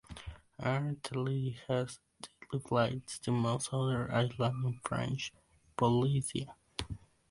Air Tahiti has daily flights to most other islands in French Polynesia.